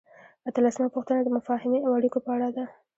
اتلسمه پوښتنه د مفاهمې او اړیکو په اړه ده.